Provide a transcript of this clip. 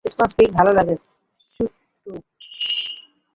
Sponge cake ভালো লাগে, শুটু?